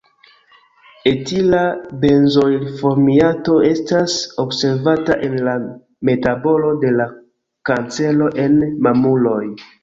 Etila benzoilformiato estas observata en la metabolo de la kancero en mamuloj.